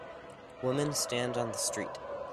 Women stand on the street.